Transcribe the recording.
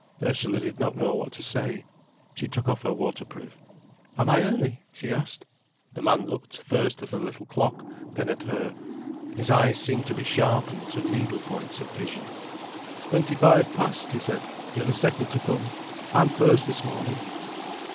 Ursula did not know what to say. She took off her waterproof. "Am I early?" she asked. The man looked first at a little clock, then at her. His eyes seemed to be sharpened to needle points of vision. "Twenty five past," he said. "You're the second to come. I'm first this morning."